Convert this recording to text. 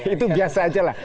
itu biasa aja lah